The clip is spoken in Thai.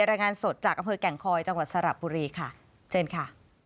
รายงานสดจากอำเภอแก่งคอยจังหวัดสระบุรีค่ะเชิญค่ะ